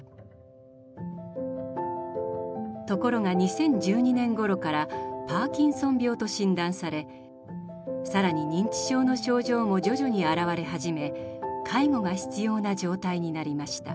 ところが２０１２年ごろからパーキンソン病と診断され更に認知症の症状も徐々に現れ始め介護が必要な状態になりました。